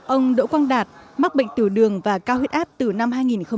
ông đỗ quang đạt mắc bệnh tử đường và cao huyết áp từ năm hai nghìn chín